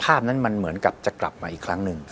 ภาพนั้นมันเหมือนกับจะกลับมาอีกครั้งหนึ่ง